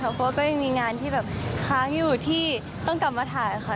เพราะว่าก็ยังมีงานที่แบบค้างอยู่ที่ต้องกลับมาถ่ายค่ะ